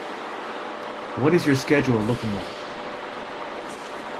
What is your schedule looking like?